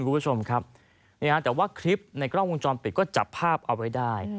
คุณผู้ชมครับแต่ว่าคลิปในกล้องวงจรปิดก็จับภาพเอาไว้ได้